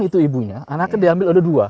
itu ibunya anaknya diambil ada dua